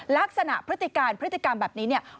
พฤติการพฤติกรรมแบบนี้เนี่ย